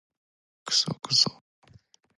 クソクソ